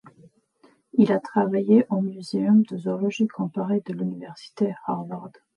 Il a travaillé au muséum de zoologie comparée de l'université Harvard.